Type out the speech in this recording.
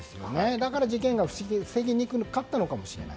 だから事件が防ぎにくかったのかもしれない。